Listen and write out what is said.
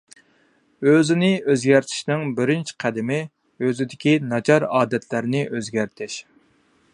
ئۆزىنى ئۆزگەرتىشنىڭ بىرىنچى قەدىمى، ئۆزىدىكى ناچار ئادەتلەرنى ئۆزگەرتىش.